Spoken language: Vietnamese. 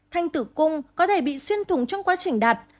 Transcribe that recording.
thanh tử cung có thể bị xuyên thùng trong quá trình đạt